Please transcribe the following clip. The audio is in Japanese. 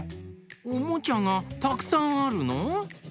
おもちゃがたくさんあるの！？